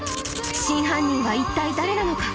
真犯人は一体誰なのか？